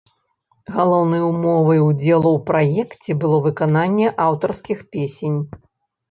Галоўнай умовай удзелу ў праекце было выкананне аўтарскіх песень.